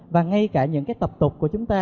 và ngay cả những cái tập tục của chúng ta